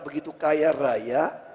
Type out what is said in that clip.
begitu kaya raya